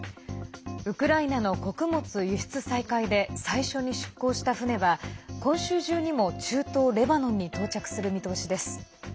ウクライナの穀物輸出再開で最初に出港した船は今週中にも中東レバノンに到着する見通しです。